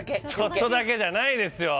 ちょっとだけじゃないですよ。